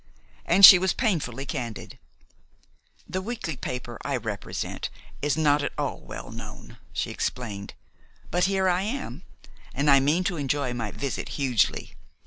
And she was painfully candid. "The weekly paper I represent is not at all well known," she explained; "but here I am, and I mean to enjoy my visit hugely.